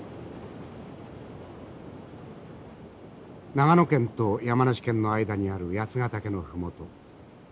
長野県と山梨県の間にある八ヶ岳の麓。